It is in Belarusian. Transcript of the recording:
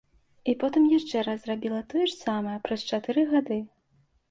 І потым яшчэ раз зрабіла тое ж самае праз чатыры гады.